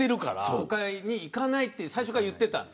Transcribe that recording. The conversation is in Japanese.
国会に行かないと最初から言っていたんで。